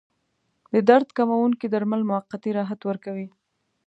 د درد کموونکي درمل موقتي راحت ورکوي.